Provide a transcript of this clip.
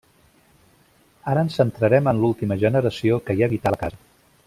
Ara ens centrarem en l’última generació que hi habità la casa.